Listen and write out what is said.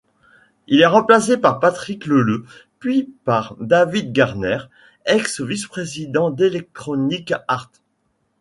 Il est remplacé par Patrick Leleu puis par David Gardner, ex-vice-président d'Electronic Arts.